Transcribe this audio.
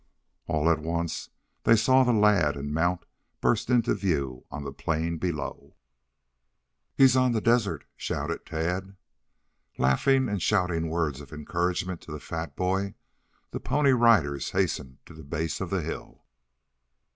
All at once they saw lad and mount burst into view on the plain below. "He's on the desert!" shouted Tad. Laughing and shouting words of encouragement to the fat boy, the Pony Riders hastened to the base of the hill.